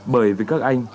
bởi với các anh